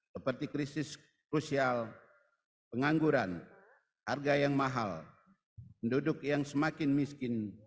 seperti krisis krusial pengangguran harga yang mahal penduduk yang semakin miskin